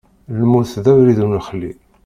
Lmut d abrid ur nexli.